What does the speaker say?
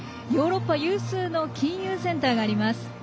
ヨーロッパ有数の金融センターがあります。